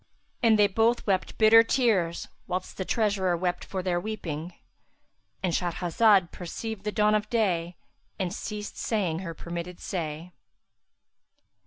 And they both wept bitter tears whilst the treasurer wept for their weeping;—And Shahrazad perceived the dawn of day and ceased saying her permitted say.